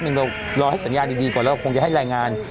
หนึ่งเราลองให้สัญญาณดีดีกว่าแล้วคงจะให้รายงาน